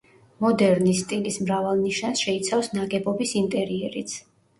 მოდერნის სტილის მრავალ ნიშანს შეიცავს ნაგებობის ინტერიერიც.